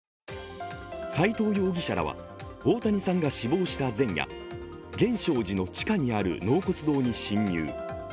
斉藤容疑者らは大谷さんが死亡した前夜、源証寺の地下にある納骨堂に侵入。